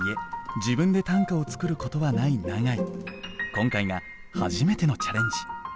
今回が初めてのチャレンジ。